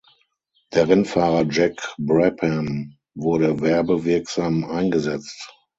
Der Rennfahrer Jack Brabham wurde werbewirksam eingesetzt.